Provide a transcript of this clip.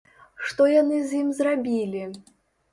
Што яны з ім зрабілі!